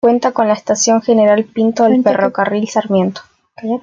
Cuenta con la Estación General Pinto del Ferrocarril Sarmiento.